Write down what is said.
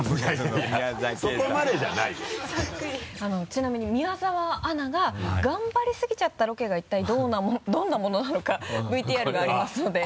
ちなみに宮澤アナが頑張りすぎちゃったロケが一体どんなものなのかＶＴＲがありますので。